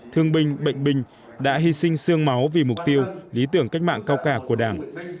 thương binh bệnh binh đã hy sinh sương máu vì mục tiêu lý tưởng cách mạng cao cả của đảng